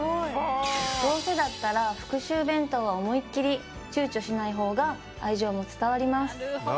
どうせだったら復讐弁当は思いっ切り躊躇しない方が愛情も伝わります。